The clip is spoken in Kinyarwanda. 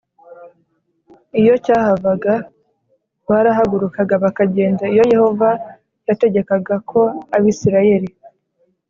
Iyo cyahavaga barahagurukaga bakagenda iyo yehova yategekaga ko abisirayeli